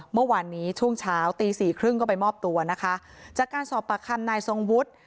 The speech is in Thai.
เมื่อวานนี้ช่วงเช้าตีสี่ครึ่งก็ไปมอบตัวนะคะจากการสอบปากคำนายทรงวุฒิ